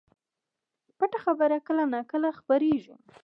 پټه خبره کله نا کله خپرېږي